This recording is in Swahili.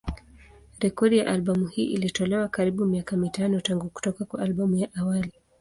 Rekodi ya albamu hii ilitolewa karibuni miaka mitano tangu kutoka kwa albamu ya awali.